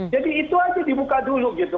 jadi itu saja dibuka dulu gitu